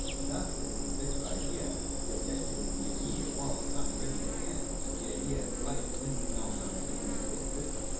And thus for the subjective idea the objective is the immediate world found ready to hand, or the idea as life is in the phenomenon of individual existence.